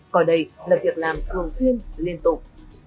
còn đây là việc làm thường xuyên liên tục